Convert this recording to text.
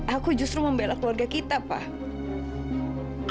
aku justru membela keluarga kita pak